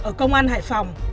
ở công an hải phòng